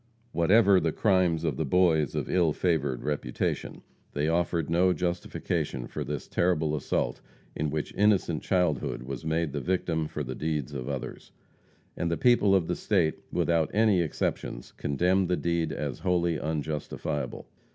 Whatever the crimes of the boys of ill favored reputation, they afforded no justification for this terrible assault in which innocent childhood was made the victim for the deeds of others. And the people of the state, without any exceptions, condemned the deed as wholly unjustifiable.